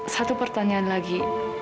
satu pertanyaan lagi